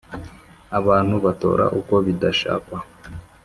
abantu batora uko bidashakwa,